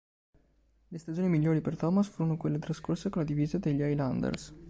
Le stagioni migliori per Thomas furono quelle trascorse con la divisa degli Islanders.